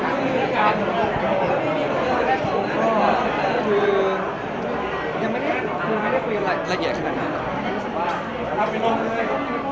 สิ่งแรกคุณก็คือยังไม่ได้คุยในละเอียดขนาดนี้